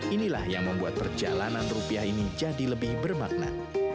inilah yang membuat perjalanan rupiah ini jadi lebih bermakna